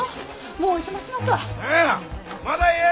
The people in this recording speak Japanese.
もうおいとましますわ。